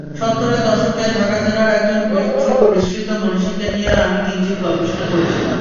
সত্তরের দশকে ঢাকা জেলার একজন বিস্মৃত মনীষীকে নিয়ে আমি কিঞ্চিৎ গবেষণা করেছিলাম।